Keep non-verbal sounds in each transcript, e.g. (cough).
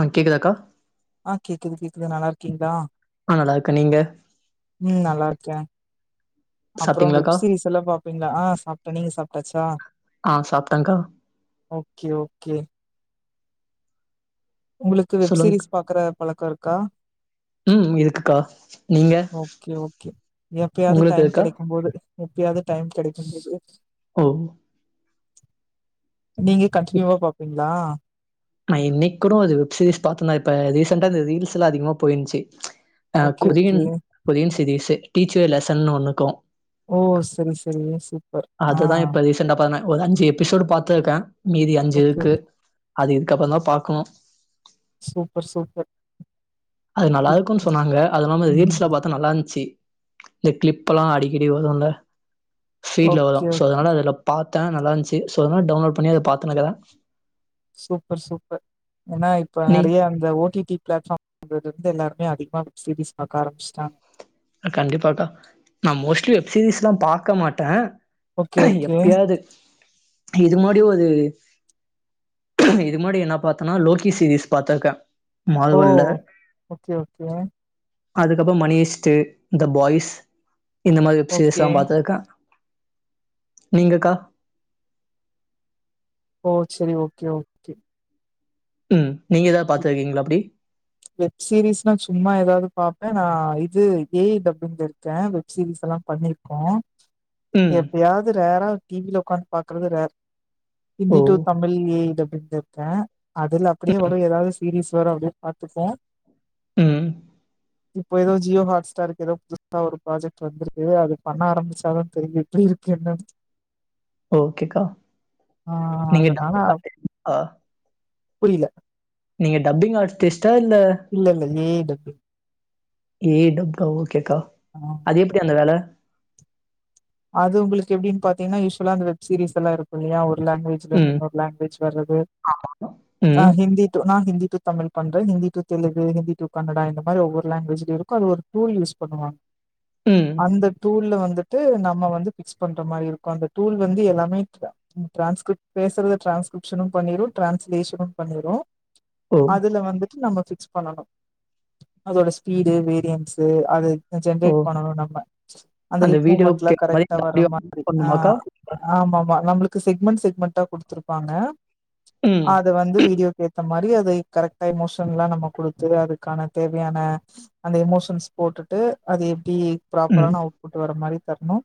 ஆ கேக்குதாக்கா ஆ கேக்குது கேக்குது நல்லா இருக்கீங்ளா நா நல்லாருக்க நீங்க ம் நல்லாருக்கே அப்றோ சாப்ட்டீங்களாக்கா வெப்சீரிஸ்லா பாப்பீங்ளா ஆ சாப்ட்ட நீங்க சாப்ட்டாச்சா ஆ சாப்ட்டேங்க்கா ஓகே ஓகே உங்களுக்கு வெப் சொல்லுங்க சீிரீஸ் பாக்குற பழக்க இருக்கா ம் இருக்குக்கா நீங்க ஓகே ஓகே எப்பயாது உங்களுக்கு டைம் இருக்கா கெடைக்கு போது முப்பியாது டைம் கெடைக்கு போது ஓ நீங்க இப் கண்டினியூவா பாப்பீங்ளா நா இன்னைக்கூட அது வெப்சீரிஸ் பாத்துனா இப்ப ரீசெண்டா இந்த ரீல்ஸ் லா அதிகமா போய்ந்ச்சு அ okay Korean okay Korean series teacher லெசன்னு ஒன்னுக்கு ஓ செரி செரி சூப்பர் ஆ இந்தப்பான ஒரு அஞ்சு எபிசோடு பாத்துருக்க மீதி அஞ்சு ஓகே இருக்கு ஓகே அது இதுக்கப்றோதா பாக்ணு சூப்பர் சூப்பர் அது நல்லாருக்குன் சொன்னாங்க அது இல்லாம ரீல்ஸ்லா ம் பாத்த நல்லாருந்ச்சு இந் கிளிப்லா அடிக்கடி வருலா பீஃட்ல வரு ஓகே சோ ஓகே அதனால அது ப் பாத்த நல்லருந்ச்சு சோ அதனால டவுன்லோட் பண்ணி அத பாத்துனுருக்க சூப்பர் சூப்பர் ஏன்னா இப்ப நீ நெறய அந்த ஓடிடி பிளாட்பார்ம் அதுல இருந்து எல்லாருமே அதிகமா வெப் சீரிஸ் பாக்க ஆரம்பிச்ட்ட கண்டிப்பாக்கா நா மோஸ்ட்லி வெப்சீரிஸ் லா பாக்க மாட்ட ஓகே ஓகே எப்பயாது இது மாரி ஒரு இது முன்னாடி என்ன பாத்தனா லோக்கி சீரீஸ் பாத்தக்கா ஓ மார்வல்ல ஓகே ஓகே அதுக்கப்றோ மணியஷ்ட்டு இந்த பாய்ஸ் இந்த மாரி ஓகே வெப்சீரிஸ்லா பாத்துருக்க நீங்கக்கா ஓ செரி ஓகே ஓக் ம் நீங்க எதாது பாத்துருக்கீங்ளா அப்டி வெப்சீரிஸ்னா சும்மா எதாது பாப்ப நா இது ஏஐ டப்பிங்ல இருக்க வெப்சீரிஸ்லா பண்ணிருக் க ம் எப்பயாது ரேரா டிவில உக்காந்து பாக்குறது ரேர் ஓ Hindi to Tamil well A I டப்பிங்ல இருக்க அதுல அப்டியே வரு எதாது சீரிஸ் வரு அப்டியே பாத் ட்ருக்க ம் இப்போ எதோ ஜியோ ஹாட்ஸ்டாருக்கு எதோ புதுசா ஒரு ப்ராஜெக்ட் வந்துருக்கு அது பண்ண ஆரம்பிச்சாதா தெரியு இருக்கேண்டா ஓகேக்கா ஆ நீங்கா டப்பிங் ஆர்டிஸ்ட்டா புரில நீங்க டப்பிங் ஆர்டிஸ்ட்டா இல்ல இல்ல இல்ல A I dubbing A I டப்க்கா ஓகேக்கா ஆ அது எப்டி அந்த வேல அது உங்களுக் எப்டின் பாத்தீங்னா யூஸ்வலா அந்த வெப்சீரிஸ்லா இருக்குல்லயா ஒரு லாங்வேஜ் ம் சிலனுன்வா லாங்வேஜ் வர்றது ஆ ம் ஹிந்தி டு நா ஹிந்தி டு தமிழ் பண்ற ஹிந்தி டு தெலுங்கு ஹிந்தி டு கன்னடா இந்த மாரி ஒவ்வொரு லாங்வேஜலயு இருக்கு அது ஒரு டூல் யூஸ் பண்ணுவாங்க ம் அந்த டூல்ல வந்துட்டு நம் நம்ம வந்து பிக்ஸ் பண்ற மாரி இருக்கும் அந்த டூல் வந்து எல்லாமே த் ம் டிரான்ஸ்கிப் பேசுறத டிரான்ஸ்கிரிப்ஷனு பண்ணிரு டிரான்ஸ்லேஷனு பண்ணிரும் ஓ அதுல வந்துட்டு நம்ப ஃபிக்ஸ் பண்ணணு அதோட ஸ்பீடு வேரியன்ஸ்சு அது ஓ ஜென்ரேட் பண்ணணு நம்ம அந்த லிப் மூமெண்ட் லா வீடியோக்கு ஏத்த மாரி கரெக்ட்டா இந்த வர்ற ஆடியோ மாரி பண்ணுமாக்கா ஆஹ் ஆமா ஆமா நம்பளுக்கு செக்மெண்ட் செக்மெண்டா குடுத்துருப்பாங்க ம் அத வந்து வீடியோக்கு ஏத்த மாரி அதை கரெக்டா எமோஷன் லா நம்ப குடுத்து அதுக்கான தேவயான அந்த எமோஷன்ஸ் போட்டுட்டு அது எப்டி ம் ப்ராப்பரான அவுட்புட் வர மாரி தர்ணும்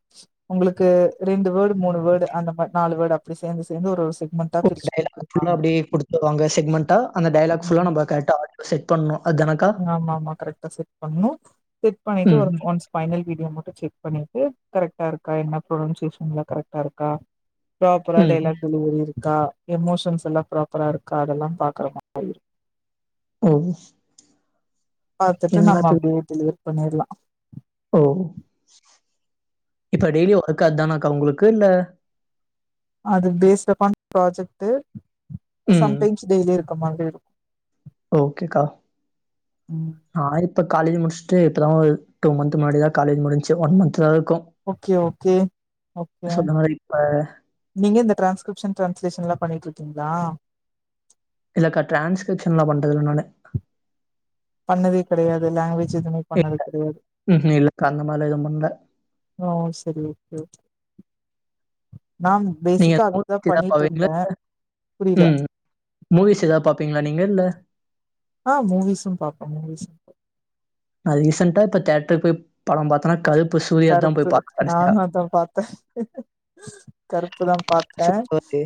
உங்களுக்கு ரெண்டு வேர்டு மூணு வேர்டு அந்த மாரி நாலு வேர்டு அப்டி சேர்ந்து சேர்ந்து ஒரு ஒரு செக்மெண்ட் ஒரு டைலாக் (inaudible) அப்டியே குடுத்துவாங்க செக்மெண்டா அந்த டைலாக்ஸ்லா நம்ப கராக்டா ஆ செட் பண்னு அதனக்கா ஆமா ஆமா கரெக்டா செட் பண்ணும் செட் பண்ணிட்டு ம் ஒரு ஒன்ஸ் பைனல் வீடியோ மட்டும் செக் பண்ணிட்டு கரெக்டா இருக்கா என்ன ப்ரொனன்சியேஷன்ல கரெக்டா இருக்கா ப்ராப்பரா ம் டெலாக் டெலிவரி இருக்கா எமோஷன்ஸ் எல்லாம் ப்ராப்பரா இருக்கா அதெல்லாம் பாக்குற மாரி இருக்கும் ஓ பாத்துட்டு என்னனா நம்ப அப்டியே டெலிவர் பண்ணிடலாம் ஓ இப்ப டெய்லி ஒர்க் அது தானாக்கா உங்களுக்கு இல்ல அது பேஸ்டப்பான் ப்ராஜெக்ட்டு ம் சம்டைம்ஸ் டெய்லியு இருக்கும் (unintelligible) ஓகேக்கா நான் இப்ப காலேஜ் முடிச்சுட்டு இப்பதான் ஒரு டூ மந்த் முன்னாடி தான் காலேஜ் முடின்ச்சு ஒன் மந்த்த் தான் இருக்கும் ஓகே ஓகே ஓகே மாரி இப்ப நீங்க இந்த டிரான்ஸ்கிரிப்ஷன் டிரான்ஸ்லேஷன் லாம் பண்ணிட்டு இருக்கீங்களா? இல்லக்கா டிரான்ஸ்கிரிப்ஷன்லாம் பண்ணறதுல்ல நானு பண்ணதே கெடையாது லாங்குவேஜ் எதுமே இல்ல ம் ம் இல்லகா அந்தமாரில்லாம் எதும் பண்ல ஓ செரி ஓகே நான் நீங்க பேசிக்கா அதுதான் மூவிஸ் ஏதாவது பண்ணிட்டு பாப்பீங்களா? இருந்தன் புரில ம். மூவிஸ் எதாது பார்ப்பீங்களா நீங்க இல்ல ஆ மூவிஸ் ம் பாப்பன் மூவிஸ் ம் பாப்பன் நான் ரீசெண்டா இப்ப தேட்டரு போய் படம் பார்த்தன்னா கருப்பு சூர்யா தான் போய் கருப்பு பாத்தேன் கடைசியா. நானும் அதான் பார்த்தன் கருப்புதான் பார்த்தன் சூப்பரு.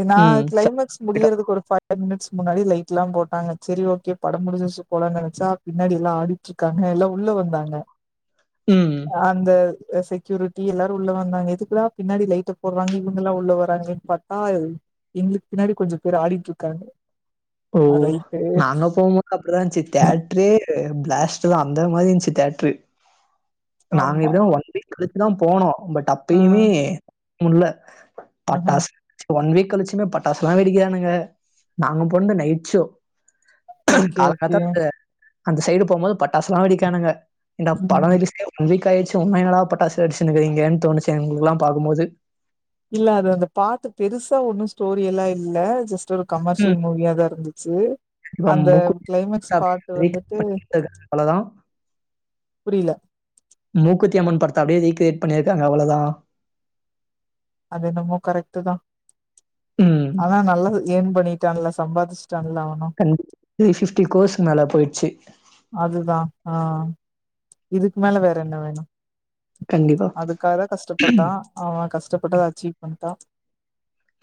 ஏனா ம். கிளைமக்ஸ் முடியறதுக்கு ஒரு ஃபை ஃபைமினிட்ஸ் முன்னாடி லைட்லாம் போட்டாங்க சரி ஓகே படம் முடிஞ்சுடுச்சுனு போலன்னு நனச்சா பின்னாடி எல்லாம் ஆடி ட்டு இருக்காங்க எல்லா உள்ள வந்தாங்க ம் அந்த செக்யூரிட்டி எல்லாரும் உள்ள வந்தாங்க. எதுக்குடா பின்னாடி லைட்ட போடுறாங்க இவுங்கல்லாம் உள்ள வர்றாங்கன்னு பாத் ஆய் எங்களுக்கு பின்னாடி கொஞ்சம் பேர் ஆடிட்டு இருக்காங்க ஓ ரைட்டு நாங்க போமோது அப்டிதான் இருந்துச்சு தேட்ரரே பிளாஸ்டர் அந்த மாதிரி இருந்துச்சு தேட்ரு நாங்க ஆமா எப்படியும் ஒன் வீக் கழிச்சுதான் போனோம் பட் ஆ அப்பயுமே முல்ல ஆஹ பட்டாசு ஒன் வீக் கழிச்சுமே பட்டாசுலாம் வெடிக்கிறானுங்க நாங்க பொண்ணு நைட் ஷோ ஓகே ஓகே காலங்காத்தாள அந்த சைடு போகும்போது பட்டாசுலாம் வெடிக்கானுங்கா இந்த பழல ம் (inaudible) ஒன் வீக் காயிச்சு உண்னுமா டா பட்டச வெடிச்சுருகீரிங்கன்னு தோணுச்சி எனக்கெல்லாம் பாக்கும்போது இல்ல அது அந்த பாத்து பெருசா ஒண்ணு ஸ்டோரி எல்லா இல்ல ஜஸ் ட் ஒரு கமர்ஷியல் ம். மூவியா தா இருந்துச்சு இப்ப அந்த மூக்குத்தி கிளைமேக்ஸ் அப்படியே பாட்டு ரீக்ரியேட் வந்துட்டு பண்ணிருக்காங்க அவ்வளோதா. புரியல மூக்குத்தியம்ன் படத்த அப்டியே ரீகிரியேட் பண்ணியிருக்காங்க அவ்ளதா அது என்னமோ கரெக்ட் தா ம். ஆனா நல்லது ஏன் பண்ணிட்டான்ல சம்பாதிச்சுட்டான்ல அவனூ த்ரீ பிப்டி கோர்ஸ்கு மேலா போயிச்சு அதுதா ஆ இதுக்கு மேல வேற என்ன வேணு கண்டிப்பா. அதுக்காக கஷ்டப்பட்டா அவே கஷ்டப்பட்டு அத அச்சீவ் பண்ணிட்டா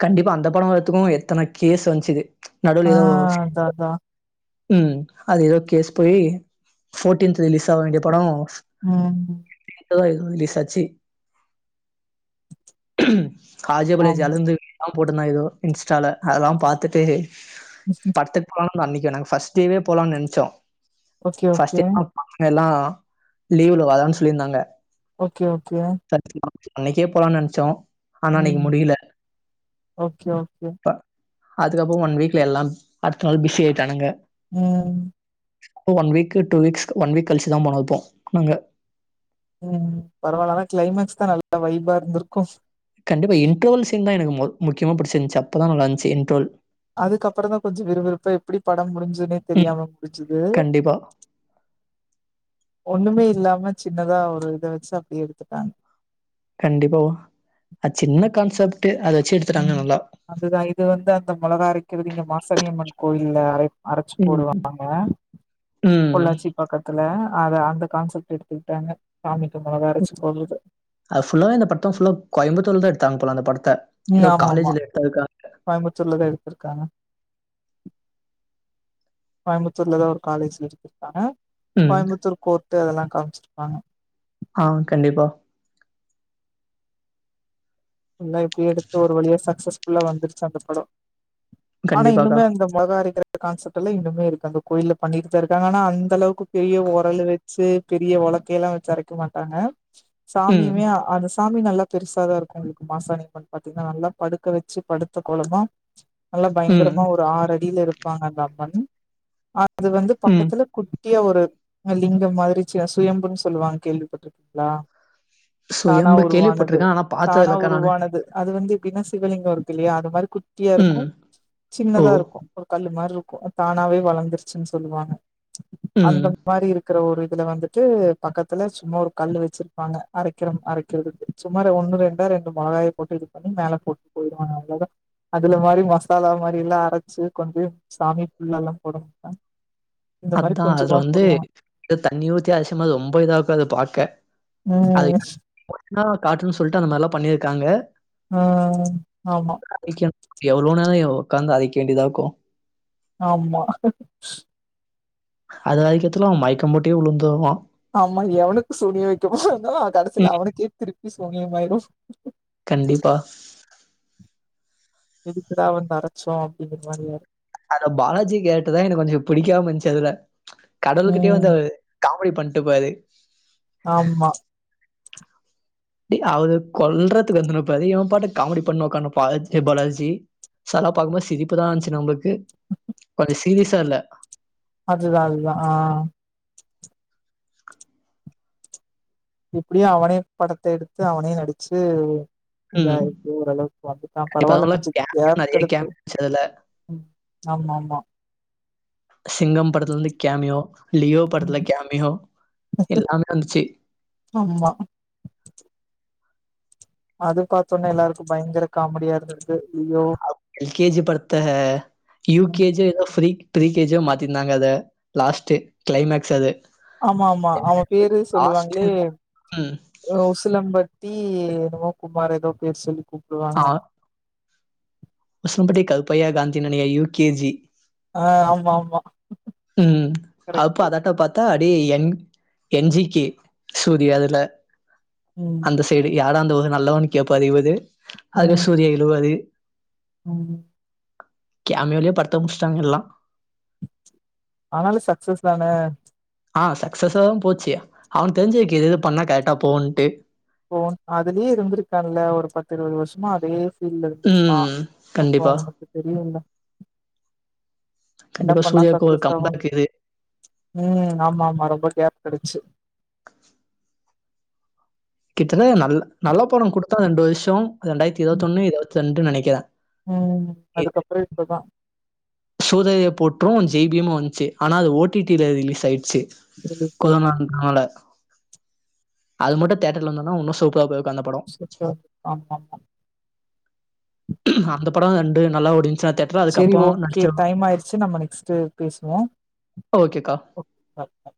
கண்டிப்பா அந்த படம் வரத்துக்கூ எத்தன கேஸ் வந்துச்சு நடுவுல ஆ ஏதோ அதா அதா உம் அது ஏதோ கேஸ் போய் ஃபோர்டீன்த் ரிலீஸ் ஆக வேண்டிய படம் உம் நேத்து தா இதுவும் ரிலீஸ் ஆச்சி காஜபள்ள ஆமா ஜலந்து எல்லா போட்டிருந்தா ஏதோ இன்ஸ்டால அதெல்லா பாத்துட்டு (unintelligible) அந்த படம் அன்னைக்கு நாங்க ஃபர்ஸ்ட் டேவே போலாம்னு நெனைச்சோ ஓகே ஃபர்ஸ்ட் ஓகே டே பசங்க எல்லா லீவு்ல வாதான்னு சொல்லியிருந்தாங்க ஓகே ஓகே (unintelligible) அன்னைக்கே போலான்னு நெனைச்சோம் உம் ஓகே ஓகே அதுக்கப்றோ ஒன் வீக்ல எல்லா அடுத்த நாள் பிஸி ஆயிட்டானுங்க உம் one week two weeks one week கழிச்சுதா போனதுப்போ நாங்க உம் பரவாயில்ல ஆனா கிளைமேக்ஸ் தா நல்லா வைபா இருந்திருக்கூ கண்டிப்ப இன்டரோல் சீன் தா எனக்கு முக்கியமா பிடிச்சிருந்துச்சு அப்ப தா நல்லா இருந்துச்சு இன்ட்ரோல் அதுக்கப்புறோ தா கொஞ்சோ விறுவிறுப்பா எப்டி படம் முடிஞ்சுதுன்னே ம். தெரியாம புடிச்சுது கண்டிப்பா, ஒண்ணுமே இல்லாம சின்னதா ஒரு இத வச்சு அப்டி எடுத்துட்டாங்க கண்டிப்பா அது சின்ன கான்செப்டு அத வச்சு எடுத்துட்டாங்க உம் நல்லா. அதுதா இது வந்து அந்த மொளகா அரைக்கிறது இங்க மாசனியம்மன் கோயில்ல அரை அரச்சு ம். போடுவாங்க ம். பொள்ளாச்சி பக்கத்துல அத அந்த கான்செப்ட் எடுத்துக்கிட்டாங்க சாமிக்கும் மொளகா அரச்சு போடுறது அதுஃபுல்லா இந்த படம் ஃபுல்லா கோயம்பத்தூர்ல தா எடுத்தாங்க போல அந்த படத்த உம் ஏதோ ஆமா ஆமா காலேஜ்ல எடுத்ததுக்காக கோயம்புத்தூர்லதா எடுத்திருக்காங்க கோயம்புத்தூர்ல தா ஒரு காலேஜ்ல வச்சு எடுத்துருக்காங்க ம். கோயம்புத்தூர் கோர்ட்டு அதெல்லா காம்ச்சிருப்பாங்க ஆ கண்டிப்பா இல்ல இப்டியே எடுத்து ஒரு வழியா சக்சஸ்ஃபுல்லா வந்துருச்சு அந்த படோ ஆனா கண்டிப்பாக்கா. இன்னுமே அந்த மொளகா அரைக்கிற கான்செப்ட் எல்லாம் இன்னமே இருக்கு அந்த கோயில பண்ணிட்டு தா இருக்காங்க ஆனா அந்த அளவுக்கு பெரிய உரல வச்சு பெரிய உலக்கைய எல்லாம் வச்சு அரைக்க மாட்டாங்க ம், சாமியுமே அந்த சாமி நல்லா பெருசாதா இருக்கும் உங்களுக்கு மாசாணியம்மன் பாத்தீங்கன்னா நல்லா படுக்க வச்சு படுத்த கோலமா நல்லா ம், பயங்கரமா ஒரு ஆறடியில இருப்பாங்க அந்த அம்மன் அது வந்து ம். பக்கத்துல குட்டியா ஒரு லிங்கம் மாரி சுயம்புன்னு சொல்லுவாங்க கேள்விப்பட்டிருக்கீங்ளா தானா சுயம்பு உருவானது கேள்விப்பட்டுருக்கேன். ஆனா தானா பார்த்ததில்லக்கா நானு. உருவானது அது வந்து எப்டின்னா சிவலிங்கோ இருக்கில்லயா அது மாரி கு ட்டியாருக்கு ம். ஓ! சின்னதாருக்கு ஒரு கல்லு மார்ருக்கு அத் தானாவே வளந்துருச்சுன் சொல்லுவாங்க ம். அந்த மாரி இருக்ற ஒரு இதுல வந்துட்டு பக்கத்துல சும்மா ஒரு கல்லு வச்சிரு பாங்க அரைக்கிரம் அரைக்கிறதுக்கு சும்மா ரெ ஒன்னு ரெண்டே ரெண்டு மொளகாய் போட்டு இது பண்ணி மேல போட்டு போய்டுவாங்க அவ்ள தா அதுல மாரி மசாலா மாரில்லா அரச்சு கொண்டு போய் சாமிக் ஃபுல்லாலா போட மாட்டாங்க இந்த மாரி அத்தா அதுல கொஞ்சமா வந்து போடுவாங்க தண்ணி ஊத்தி அரச்சமா அது ரொம்ப இதாருக்கு அத பாக்க ம் நல்லா காட்னு சொல்ட்டு அந்த மார்ல்லா பண்ணிருக்காங்க ஆ ஆமா அரைக்கனு எவ்ளோ நேரோ எ ஒக்காந்து அரைக்க வேண்டிதாருக்கு ஆமா அது அரைக்கத்துள்ள அவே மயக்கோ போட்டே வுழுந்துருவா ஆமா எவனுக்கு சூனியோ வெக்க போறாங்களோ கடசில ம். அவனுக்கே திருப்பி சூனியமாய்டு கண்டிப்பா எதுக்குடா வந்து அரச்சோ அப்டிங்ற மாரி ஆய்டு அத்ல பாலாஜி கேரக்ட்ருதா எனக்கு கொஞ்சொ பிடிக்காம இன்ச்சு அதுல கடவுள்கிட்டயே வந்து ம் அவுரு காமெடி பண்ட்டுப்பாரு ஆமா டே அவுரு கொல்றதுக்கு வந்துனுப்பாரு இவே பாட்டுக்கு காமெடி பண்ணு ஒக்கானுப்பா ஆர் ஜே பாலாஜி சாலா பாக்கும்போது சிரிப்புதா வன்ச்சு நம்ளுக்கு கொஞ்சோ சீரியஸா இல்ல அதுதா அதுதா ஆ எப்டியோ அவனே படத்த எடுத்து அவனே நடிச்சு சூர்யா ம் எப்டியோ ஓரளவுக்கு வந்துட்டா இப்ப பரவால்ல அதனால கொஞ்சோ கேமியோ நெறைய கேப்கடுத்து கேமியோ வந்துச்சு அதுல ம் ஆமாமா சிங்கம் படத்துலந்து கேமியோ லியோ படத்துல கேமியோ எல்லாமே வந்துச்சி ஆம்மா அது பாத்தோன எல்லாருக்கு பயங்கர காமெடியா இருந்தது லியோ யூ கே ஜி ய எதோ ஃபீரி ப்ரீ கே ஜி யா மாத்திருந்தாங்க அத லாஸ்ட்டு க்ளைமேக்ஸ்ஸு அது ஆமாமா அவே பேரு லாஸ்ட் சொல்லுவாங்ளே ம் உசிலம்பட்டி என்னமோ குமாரு எதோ பேர் சொல்லி கூப்டுவாங்க அவன உசிலம்பட்டி கருப்பையா காந்தின் நெனைக்ற யு கே ஜி ஆ ஆமாமா ம் அப்போ கரெக்ட்டு அதட்ட பாத் த்தா அடே என் என் ஜி கே சூரியா அதுல ம் அந்த சைடு யாரா அந்த ஒரு நல்லவனு கேப்பாரு இவரு அது ம் சூர்யா எழுவாரு ம் கேமியோலே படத்த முச்ட்டாங்க எல்லா ஆனாலு சக்சஸ் தான ஆ சக்ஸஸாவு போச்சு அவனுக் தெரிஞ்சிருக்கி இது இது பண்ணா கர்ட்டா போவுன்ட்டு போவுன் அதுலே இருந்திருக்கான்ல ஒரு பத்து இருவது வர்ஷமா அதே ஃபீல்ட்ல இருந்திருக்கா ம் அப்போ கண்டிப்பா அவனுக்கு தெரியுல்ல என்ன கண்டிப்பா பண்ணா சூர்யாவுக்கு ஒரு சக்ஸஸ் ஆவுன் கம்பேக் இது ம் ஆமா ஆமா ரொம்ப கேப் கெடச்சு கித்தன நல்ல நல்லபடோ குடுத்தா ரெண்டு வர்ஷோ ரெண்டாய்ர்த்தி ம் இருவத்தொண்ணு இருவத்தி ரெண்டுன் நெனைக்கிறே ம் அதுக்கப்றோ இப்பதா சூரறை போற்று ஜேய்பீமு வந்ச்சி ஆனா அது ஓ டி டில ரிலீஸ் ஆய்ருச்சி ரிலீஸ் ஆச்சு. கொரோனான் ஆவல அதுமட்டு தேட்டர்ல வந்தத்னா ஒன்னு சூப்பரா போய்ருக்கு அந்த படோ (unintelligible) அந்த படோ வந்து நல்லா ஓடிஞ்சா தேட் சேரி ஓகே டைம் ஆய்ருச்சி நம்ம நெக்ஸ்ட்டு பேசுவோ ஓகேக்கா பாய்